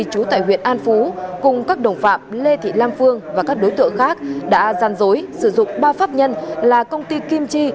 chú tại huyện an phú cùng các đồng phạm lê thị lam phương và các đối tượng khác đã gian dối sử dụng ba pháp nhân là công ty kim chi